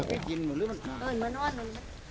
เดินมานอนกัน